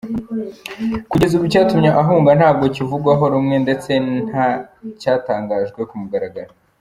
Kugeza ubu icyatumye ahunga ntabwo kivugwaho rumwe ndetse nta n’icyatangajwe ku mugaragaro.